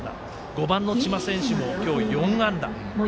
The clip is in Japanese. ５番の千葉選手も今日４安打。